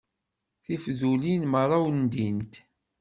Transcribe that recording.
Tifdulin merra undint.